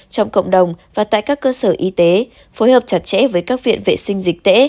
trong cộng đồng và tại các cơ sở y tế phối hợp chặt chẽ với các viện vệ sinh dịch tễ